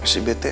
masih bete aja